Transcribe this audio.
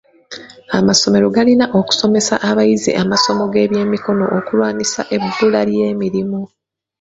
Amasomero galina okusomesa abayizi amasomo g'ebyemikono okulwanyisa ebbula ly'emirimu.